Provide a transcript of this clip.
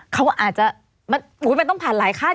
เขาก็อาจจะมันต้องผ่านหลายขั้น